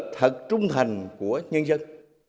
thật trung thành của nhân dân